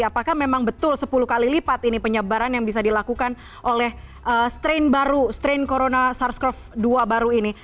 apakah memang betul sepuluh kali lipat ini penyebaran yang bisa dilakukan oleh strain baru strain corona sars cov dua baru ini